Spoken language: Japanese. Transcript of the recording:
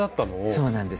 そうなんです。